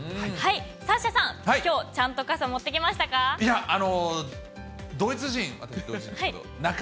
サッシャさん、きょうちゃんと傘持ってきましたか？